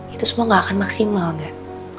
itu semua gak akan maksimal gak